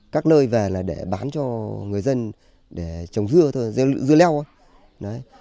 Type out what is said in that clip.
các nơi về là để bán cho người dân để trồng dưa thôi dưa leo thôi